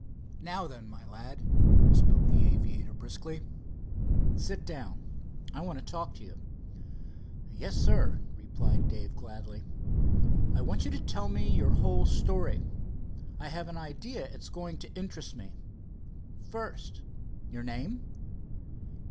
"Now then, my lad," spoke the aviator briskly, "sit down. I want to talk to you." "Yes, sir," replied Dave gladly. "I want you to tell me your whole story. I have an idea it is going to interest me. First, your name?"